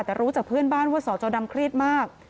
แต่รู้จากเพื่อนบ้านว่าสจดำเครียดมาก